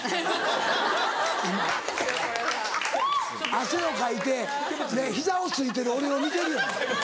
汗をかいてねっ膝をついてる俺を見てるよね？